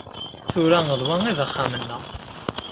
Tura d wa i d axxam-nneɣ.